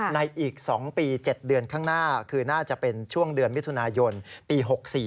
อีก๒ปี๗เดือนข้างหน้าคือน่าจะเป็นช่วงเดือนมิถุนายนปี๖๔